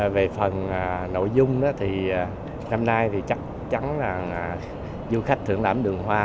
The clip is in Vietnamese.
về phần nội dung thì năm nay thì chắc chắn là du khách thưởng lãm đường hoa